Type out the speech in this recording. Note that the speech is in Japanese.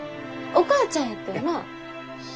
「お母ちゃん」言ったよな？